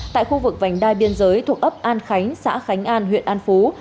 tại khu vực vành đai biên giới thuộc ấp an khánh xã khánh an huyện an phú